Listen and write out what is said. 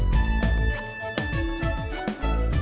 cukup lagi ya teman teman